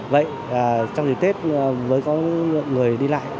vậy trong dịp tết với con người đi lại